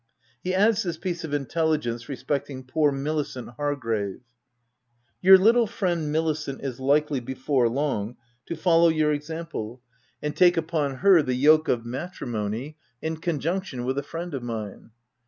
He adds this piece of intelligence respecting poor Milicent Hargrave :— "Your little friend Milicent is likely, before long, to follow your example, and take upon 108 THE TENANT her the yoke of matrimony in conjunction with a friend of mine.